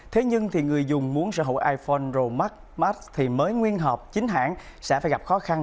thế nhưng người dùng muốn sở hữu iphone một mươi bốn pro max mới nguyên hợp chính hãng sẽ phải gặp khó khăn